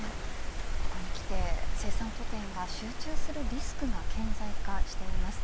ここにきて生産拠点が集中するリスクが顕在化しています。